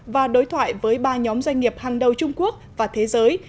và đối thoại với ba nhóm doanh nghiệp hàng đầu trung quốc và thế giới